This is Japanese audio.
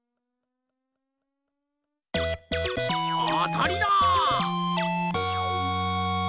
あたりだ！